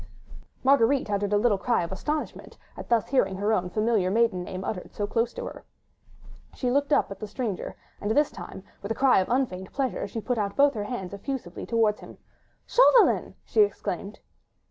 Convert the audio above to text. Marguerite uttered a little cry of astonishment, at thus hearing her own familiar maiden name uttered so close to her. She looked up at the stranger, and this time, with a cry of unfeigned pleasure, she put out both her hands effusively towards him. "Chauvelin!" she exclaimed.